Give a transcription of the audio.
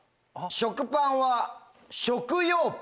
食パンは食用パン。